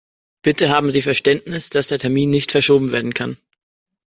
Bitte haben Sie Verständnis, dass der Termin nicht verschoben werden kann.